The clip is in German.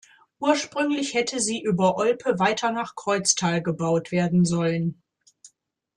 Ursprünglich hätte sie über Olpe weiter nach Kreuztal gebaut werden sollen.